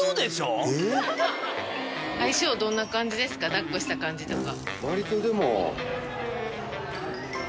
抱っこした感じとか。